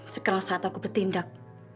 sekarang saat aku bertindak